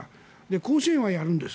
甲子園はやるんです。